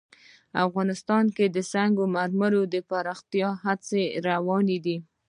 افغانستان کې د سنگ مرمر د پرمختګ هڅې روانې دي.